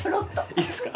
いいですか。